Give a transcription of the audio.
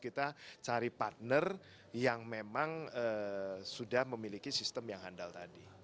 kita cari partner yang memang sudah memiliki sistem yang handal tadi